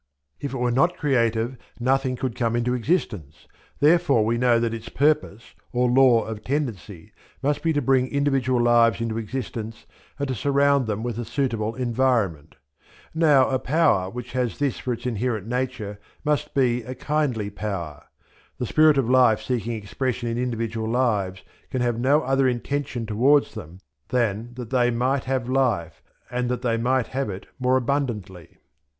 If it were not creative nothing could come into existence; therefore we know that its purpose, or Law of Tendency, must be to bring individual lives into existence and to surround them with a suitable environment. Now a power which has this for its inherent nature must be a kindly power. The Spirit of Life seeking expression in individual lives can have no other intention towards them than "that they might have life, and that they might have it more abundantly."